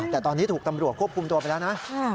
แต่ตอนนี้ถูกตำรวจควบคุมตัวไปแล้วนะ